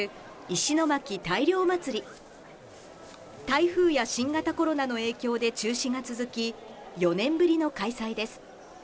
台風や新型コロナの影響で中止が続き、４年ぶりの開催です。